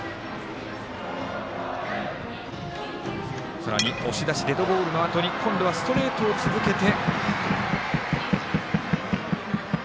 さらに押し出しデッドボールのあとに今度はストレートを続けて。